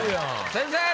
先生！